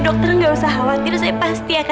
dokter juga udah terlalu banyak ngebantu saya